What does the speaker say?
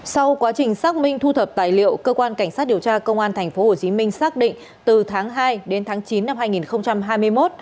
sau quá trình xác minh thu thập tài liệu cơ quan cảnh sát điều tra công an tp hcm xác định từ tháng hai đến tháng chín năm hai nghìn hai mươi một